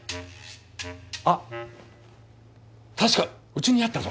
あっ確かうちにあったぞ！